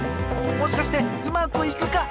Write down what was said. もしかしてうまくいくか！？